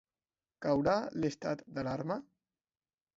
Caurà l’estat d’alarma?